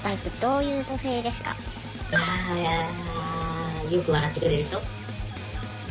いやよく笑ってくれる人。